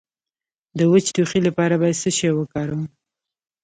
د وچ ټوخي لپاره باید څه شی وکاروم؟